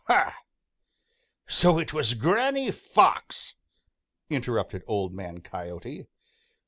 "Ha! So it was Granny Fox!" interrupted Old Man Coyote.